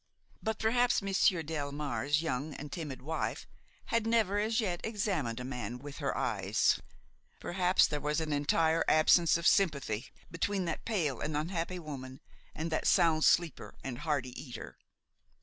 But perhaps Monsieur Delmare's young and timid wife had never as yet examined a man with her eyes; perhaps there was an entire absence of sympathy between that pale and unhappy woman and that sound sleeper and hearty eater.